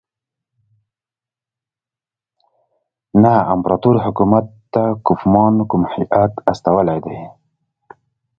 نه امپراطور حکومت نه کوفمان کوم هیات استولی دی.